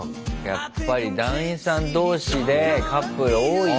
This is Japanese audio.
やっぱり団員さん同士でカップル多いよな。